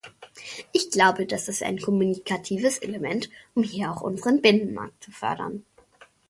Ich glaube, das ist ein kommunikatives Element, um hier auch unseren Binnenmarkt zu fördern.